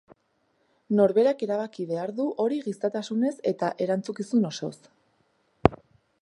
Nor berak erabaki behar du hori gizatasunez eta erantzukizun osoz.